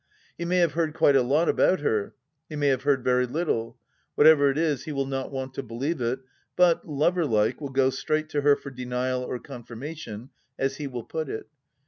He may have heard quite a lot about her ; he may have heard very little ! Whatever it is, he will not want to believe it, but, lover like, will go straight to her for denial or confirmation, as he will put it.